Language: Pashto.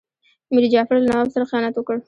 میر جعفر له نواب سره خیانت وکړ.